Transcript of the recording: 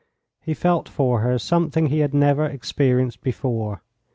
He felt for her something he had never experienced before.